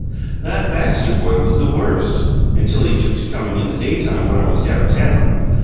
"That Baxter boy was the worst, until he took to coming in the daytime when I was down town.